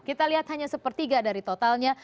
kita lihat hanya sepertiga dari totalnya